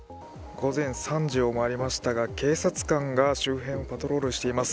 午前３時を回りましたが、警察官が周辺をパトロールしています。